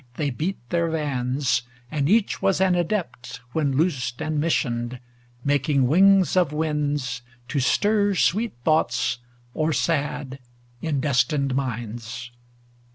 They beat their vans; and each was an adept. When loosed and missioned, making wings of winds. To stir sweet thoughts or sad, in destined minds.